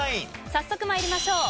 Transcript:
早速参りましょう。